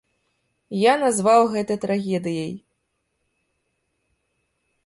Я назваў гэта трагедыяй.